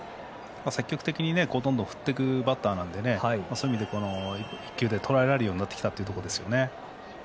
積極的にどんどん振っていくバッターなのでそういった意味では一球でとらえられるようになってきたということですね。